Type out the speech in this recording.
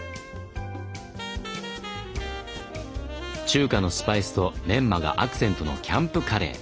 中華のスパイスとメンマがアクセントのキャンプカレー。